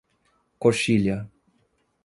Coxilha